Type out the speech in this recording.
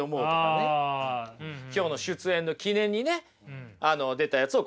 今日の出演の記念にね出たやつを貼っとく。